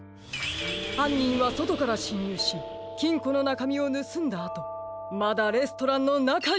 はんにんはそとからしんにゅうしきんこのなかみをぬすんだあとまだレストランのなかにいます！